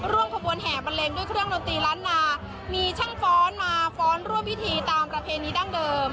ร่วมบรรพบวนแห่บลำเลงด้วยเครื่องดนตรีรันด์นามีช่างฟ้อนมาฟ้อนรวบพิธีตามประเพณีดั้งเดิม